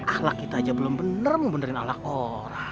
ahlak kita aja belum bener mau benerin ahlak orang